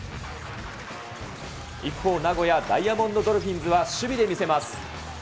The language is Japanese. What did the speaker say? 一方、名古屋ダイヤモンドドルフィンズは守備で見せます。